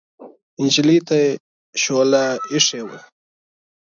نجلۍ ته شوله اېښې وه.